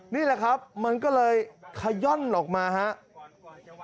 นี่แหละครับมันก็เลยขย่อนออกมาครับ